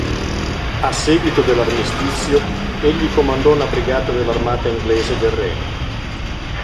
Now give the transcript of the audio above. A seguito dell'armistizio, egli comandò una brigata dell'Armata inglese del Reno.